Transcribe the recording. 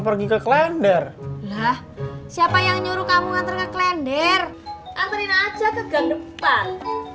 pergi ke klender lah siapa yang nyuruh kamu nganter ke klender antren aja ke gang depan